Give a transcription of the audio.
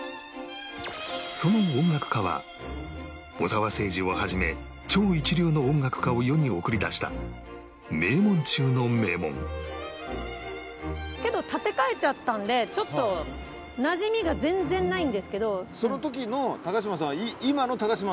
その音楽科は小澤征爾を始め超一流の音楽家を世に送り出した名門中の名門けど建て替えちゃったんでちょっとなじみが全然ないんですけど。